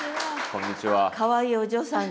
かわいいお嬢さんが。